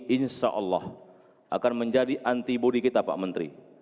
insyaallah akan menjadi antibodi kita pak menteri